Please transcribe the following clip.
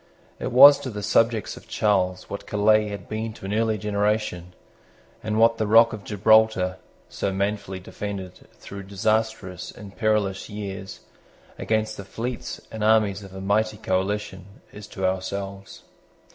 It was to the subjects of Charles what Calais had been to an earlier generation, and what the rock of Gibraltar, so manfully defended, through disastrous and perilous years, against the fleets and armies of a mighty coalition, is to ourselves.